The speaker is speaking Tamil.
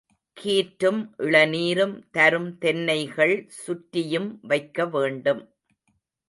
கீற்றும் இளநீரும் தரும் தென்னைகள் சுற்றியும் வைக்க வேண்டும்.